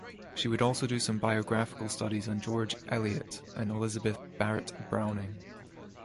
She would also do some biographical studies on George Eliot and Elizabeth Barrett Browning.